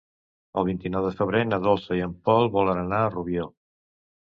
El vint-i-nou de febrer na Dolça i en Pol volen anar a Rubió.